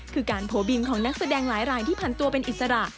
คือการโวบินของนักแสดงหลายรายที่ผ่านตัวเป็นอิสระ